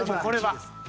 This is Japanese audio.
これは。